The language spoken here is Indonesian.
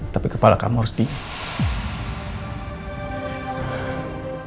tapi kepala kamu harus di